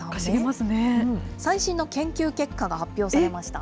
最新の研究結果が発表されました。